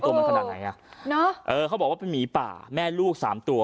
มันขนาดไหนอ่ะเนอะเออเขาบอกว่าเป็นหมีป่าแม่ลูกสามตัว